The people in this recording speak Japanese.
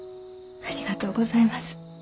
ありがとうございます。